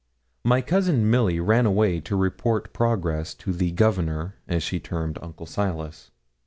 My cousin Milly ran away to report progress to 'the Governor,' as she termed Uncle Silas.